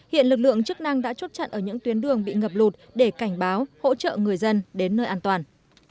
hiện lực lượng chức năng đã chốt chặn ở những tuyến đường bị ngập lụt để cảnh báo hỗ trợ người dân đến nơi an toàn